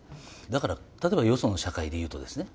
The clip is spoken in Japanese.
だから例えばよその社会でいうとですね